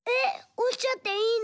おっちゃっていいの？